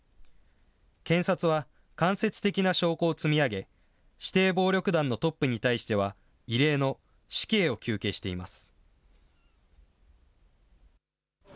検察は間接的な証拠を積み上げ、指定暴力団のトップに対しては異例の死刑を求刑しています。